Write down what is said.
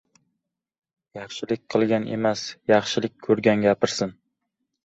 Yaxshilik qilgan emas, yaxshilik ko‘rgan gapirsin.